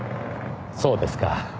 そうですか。